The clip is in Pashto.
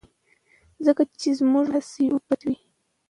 ځکه چي زموږ بحث اوږديوي